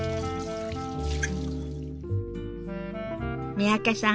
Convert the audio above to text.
三宅さん